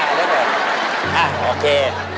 อย่างนี้กิ้งตายเลย